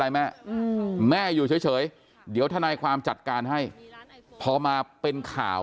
แม่แม่อยู่เฉยเดี๋ยวทนายความจัดการให้พอมาเป็นข่าว